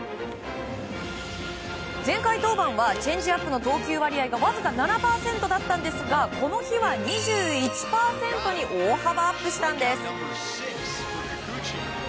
前回登板はチェンジアップの投球割合がわずか７％だったんですがこの日は２１％に大幅アップしたんです。